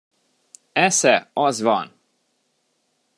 Esze, az van!